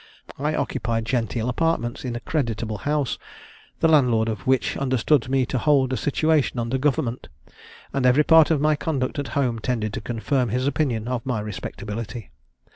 I occupied genteel apartments in a creditable house, the landlord of which understood me to hold a situation under government; and every part of my conduct at home tended to confirm his opinion of my respectability.